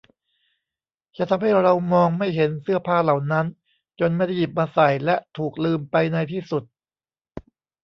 จะทำให้เรามองไม่เห็นเสื้อผ้าเหล่านั้น จนไม่ได้หยิบมาใส่ และถูกลืมไปในที่สุด